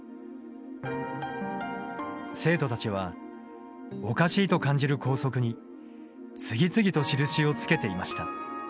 生徒たちはおかしいと感じる校則に次々と印をつけていました。